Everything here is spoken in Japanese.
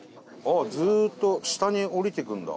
ずっと下に下りていくんだ。